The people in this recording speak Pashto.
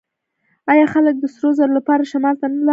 آیا خلک د سرو زرو لپاره شمال ته نه لاړل؟